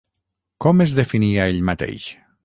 Com es definia ell mateix?